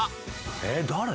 「えっ誰？」